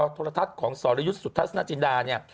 โทรทัศน์ของสรยุทธ์สุทัศนาจินดาเนี่ย